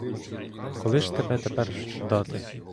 Коли ж тебе тепер ждати?